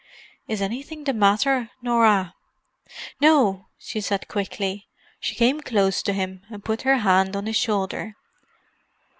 "Is anything the matter, Norah?" "No," she said quickly. She came close to him and put her hand on his shoulder.